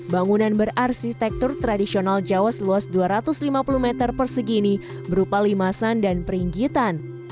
bangunan berarsitektur tradisional jawa seluas dua ratus lima puluh meter persegini berupa limasan dan peringgitan